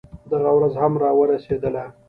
دغه ورځ هم راورسېدله.